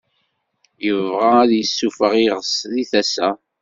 Yebɣa ad d-yessufeɣ iɣes deg tasa.